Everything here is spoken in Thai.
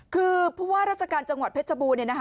คือผู้ว่าราชการจังหวัดเพชรบูรณ์